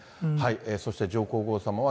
そして上皇后さまは、